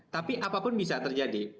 tapi apapun bisa terjadi